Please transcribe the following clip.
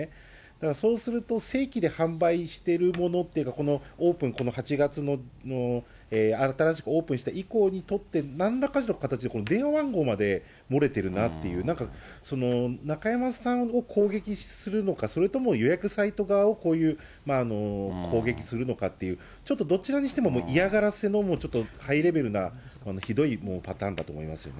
だからそうすると、正規で販売しているものって、オープン、８月の、新しくオープンした以降にとって、なんらかの形で電話番号まで漏れてるなっていう、なんか、中山さんを攻撃するのか、それとも予約サイト側をこういう攻撃するのかっていう、ちょっとどちらにしても嫌がらせの、もうちょっとハイレベルなひどいパターンだと思いますよね。